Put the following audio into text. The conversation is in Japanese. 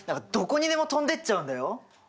どこにでも飛んでっちゃうんだよ。